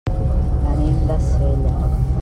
Venim de Sella.